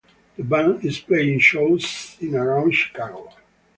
The band is playing shows in and around Chicago.